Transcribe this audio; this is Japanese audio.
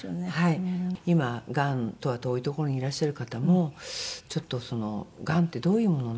今がんとは遠いところにいらっしゃる方もちょっとがんってどういうものなのか。